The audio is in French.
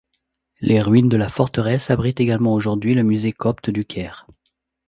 Les ruines de la forteresse abritent également aujourd'hui le musée copte du Caire.